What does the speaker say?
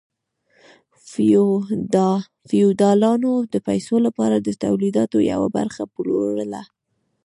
فیوډالانو د پیسو لپاره د تولیداتو یوه برخه پلورله.